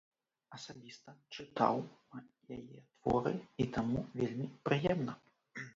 Асабіста чытаў яе творы, і таму вельмі прыемна.